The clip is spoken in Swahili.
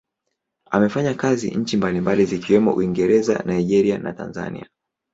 Amefanya kazi nchi mbalimbali zikiwemo Uingereza, Nigeria na Tanzania.